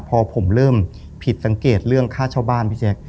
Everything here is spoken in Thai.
พอผมเริ่มผิดสังเกตเรื่องค่าเช่าบ้านพี่แจ๊ค